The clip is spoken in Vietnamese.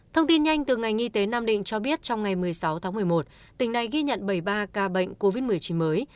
thông tin nhanh từ ngành y tế nam định cho biết trong ngày một mươi sáu tháng một mươi một tỉnh này ghi nhận bảy mươi ba ca bệnh covid một mươi chín mới